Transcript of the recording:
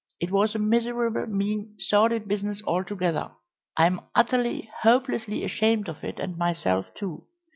It was a miserable, mean, sordid business altogether; I am utterly, hopelessly ashamed of it and myself too.